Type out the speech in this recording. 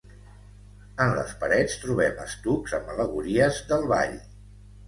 En les parets trobem estucs amb al·legories del ball.